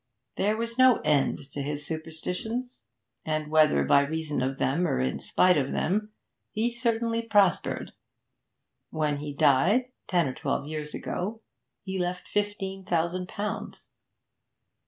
There was no end to his superstitions, and, whether by reason of them or in spite of them, he certainly prospered. When he died, ten or twelve years ago, he left fifteen thousand pounds.